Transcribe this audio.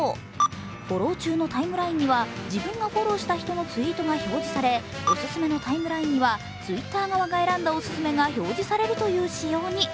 「フォロー中」のタイムラインには自分がフォローした人のツイートが表示され「おすすめ」のタイムラインには、Ｔｗｉｔｔｅｒ側が選んだオススメが表示されるという仕様に。